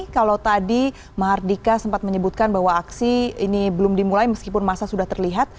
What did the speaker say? kalau tadi mahardika sempat menyebutkan bahwa aksi ini belum dimulai meskipun masa sudah terlihat